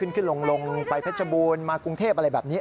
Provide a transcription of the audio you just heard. ขึ้นลงไปเพชรบูรณ์มากรุงเทพอะไรแบบนี้